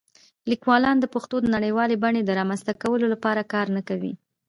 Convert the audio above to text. لیکوالان د پښتو د نړیوالې بڼې د رامنځته کولو لپاره کار نه کوي.